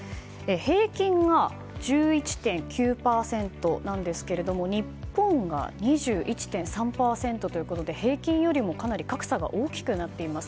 平均が１１．９％なんですが日本が２１．３％ということで平均よりもかなり格差が大きくなっています。